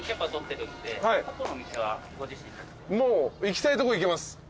もう行きたいとこ行けます。